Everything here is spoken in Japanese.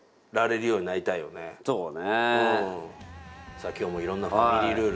さあ今日もいろんなファミリールール。